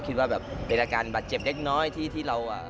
คิดว่าแบบเป็นอาการบาดเจ็บเล็กน้อยที่เรา